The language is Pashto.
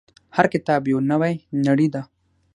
• هر کتاب یو نوی نړۍ ده.